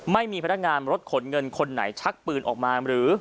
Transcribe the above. ไม่มีพนักงานรถขนเงินคนไหนชักปืนออกมาหรือ